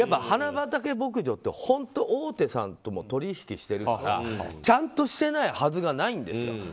花畑牧場って本当、大手さんとも取り引きしてるからちゃんとしてないはずがないんですよ。